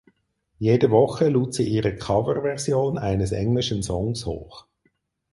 Jede Woche lud sie ihre Coverversion eines englischen Songs hoch.